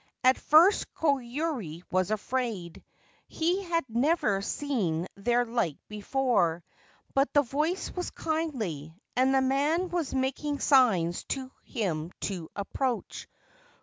At first Koyuri was afraid, — he had never seen their like before, — but the voice was kindly, and the man was making signs to him to approach.